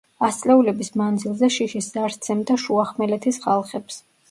ასწლეულების მანძილზე შიშის ზარს სცემდა შუახმელეთის ხალხებს.